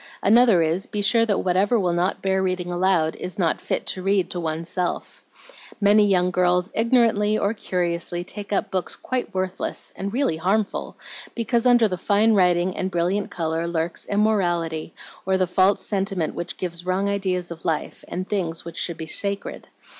Another is, be sure that whatever will not bear reading aloud is not fit to read to one's self. Many young girls ignorantly or curiously take up books quite worthless, and really harmful, because under the fine writing and brilliant color lurks immorality or the false sentiment which gives wrong ideas of life and things which should be sacred.